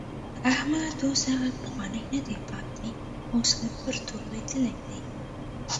احمد اوس هغه پخوانی نه دی پاتې، اوس له پرتو لوېدلی دی.